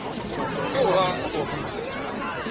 「今日はお父さん乗せてね」。